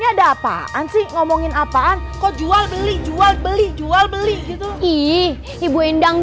ada apaan sih ngomongin apaan kok jual beli jual beli jual beli gitu ih ibu endang